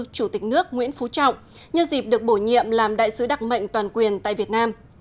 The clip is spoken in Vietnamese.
chủ tịch nước nguyễn phú trọng như dịp được bổ nhiệm làm đại sứ đặc mệnh toàn quyền tại việt nam